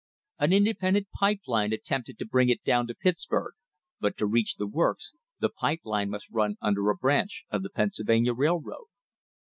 An independent pipe line attempted to bring it to"~ Pittsburg, but to reach the works the pipe line must run under a branch of the Pennsylvania railroad.